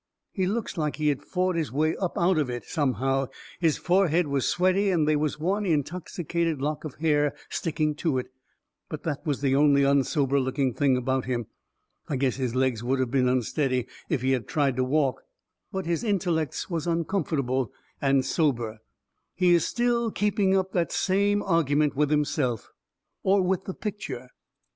He looks like he had fought his way up out of it, somehow his forehead was sweaty, and they was one intoxicated lock of hair sticking to it; but that was the only un sober looking thing about him. I guess his legs would of been unsteady if he had of tried to walk, but his intellects was uncomfortable and sober. He is still keeping up that same old argument with himself, or with the picture.